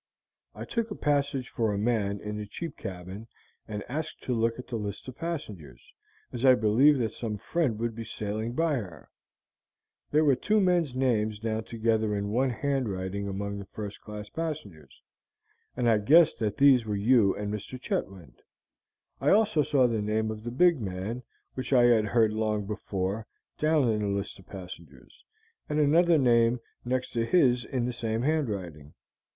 I took a passage for a man in the cheap cabin, and asked to look at the list of passengers, as I believed that some friend would be sailing by her; there were two men's names down together in one handwriting among the first class passengers, and I guessed that these were you and Mr. Chetwynd. I also saw the name of the big man, which I had heard long before, down in the list of passengers, and another name next to his in the same handwriting.